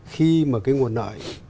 khi mà cái nguồn nợ